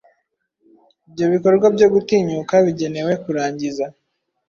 Ibyo bikorwa byo gutinyuka bigenewe kurangiza